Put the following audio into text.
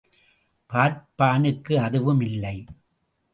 பார்பபானுக்கு அதுவும் இல்லை.